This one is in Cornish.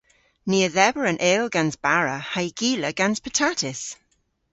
Ni a dheber an eyl gans bara ha'y gila gans patatys.